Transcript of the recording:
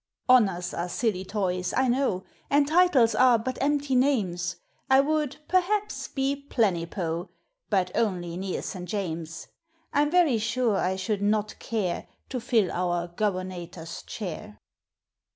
Honors are silly toys, I know, And titles are but empty names ; I would, perhaps, be Plenipo, — But only near St. James ; I 'm very sure I should not care To fill our Gubernator's chair.